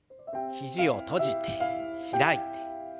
肘を閉じて開いて。